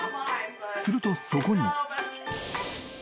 ［するとそこに］